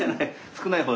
少ない方。